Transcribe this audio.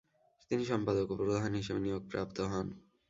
তিনি সম্পাদক ও প্রধান হিসেবে নিয়োগপ্রাপ্ত হন।